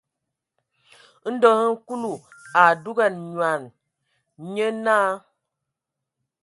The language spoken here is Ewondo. Ndo hm Kúlu a dúgan nyoan, nyé náa.